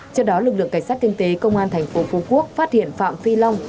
trước đó lực lượng cảnh sát kinh tế công an thành phố phú quốc phát hiện phạm phi long